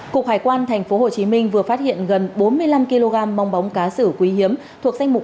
cục hải quan thành phố hồ chí minh vừa phát hiện gần bốn mươi năm kg mong bóng cá sử quý hiếm thuộc danh mục